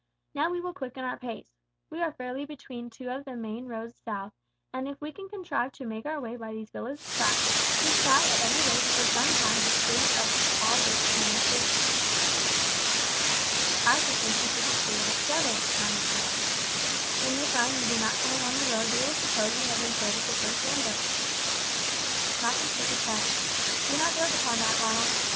Now we will quicken our pace. We are fairly between two of the main roads south, and if we can contrive to make our way by these village tracks we shall at any rate for some time be free from all risk of molestation." "I should think we should be free altogether," Ronald said. "When they find we do not come along the road they will suppose we have been killed at the first ambush." Malcolm shook his head. "Do not build upon that, Ronald.